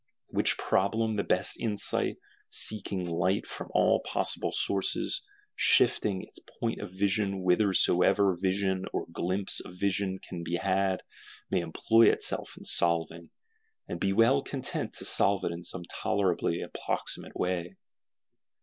Which problem the best insight, seeking light from all possible sources, shifting its point of vision whithersoever vision or glimpse of vision can be had, may employ itself in solving; and be well content to solve in some tolerably approximate way.